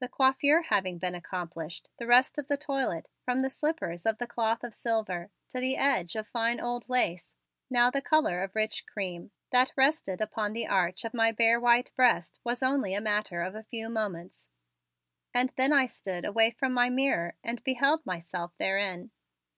The coiffure having been accomplished, the rest of the toilet, from the slippers of the cloth of silver to the edge of fine old lace, now the color of rich cream, that rested upon the arch of my bare white breast was only a matter of a few moments, and then I stood away from my mirror and beheld myself therein.